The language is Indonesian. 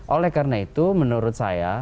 oleh karena itu menurut saya